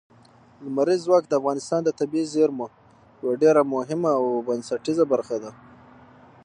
لمریز ځواک د افغانستان د طبیعي زیرمو یوه ډېره مهمه او بنسټیزه برخه ده.